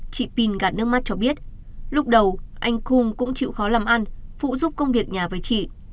chị pin gạt nước mắt cho biết lúc đầu anh cum cũng chịu khó làm ăn phụ giúp công việc nhà với chị